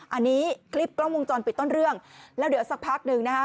อันนี้คลิปกล้องวงจรปิดต้นเรื่องแล้วเดี๋ยวสักพักหนึ่งนะฮะ